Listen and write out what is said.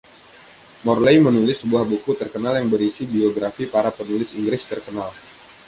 Morley menulis sebuah buku terkenal yang berisi biografi para penulis Inggris terkenal.